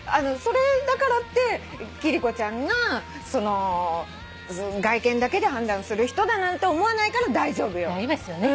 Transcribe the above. それだからって貴理子ちゃんが外見だけで判断する人だなんて思わないから大丈夫よ。